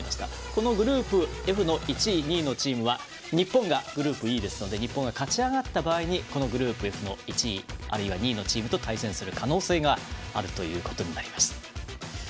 このグループＦの１位、２位のチームは日本がグループＥですので日本が勝ち上がった場合にこのグループＦの１位あるいは２位のチームと対戦する可能性があるということになりました。